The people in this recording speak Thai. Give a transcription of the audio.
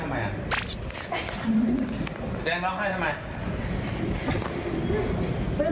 ไม่เห็นด้วยเออ